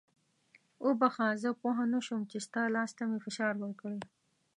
وبخښه زه پوه نه شوم چې ستا لاس ته مې فشار ورکړی.